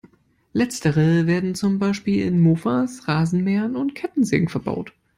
Letztere werden zum Beispiel in Mofas, Rasenmähern und Kettensägen verbaut.